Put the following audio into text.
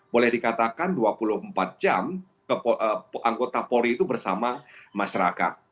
boleh dikatakan dua puluh empat jam anggota polri itu bersama masyarakat